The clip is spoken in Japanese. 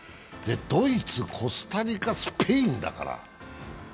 ドイツ、コスタリカ、スペインだから。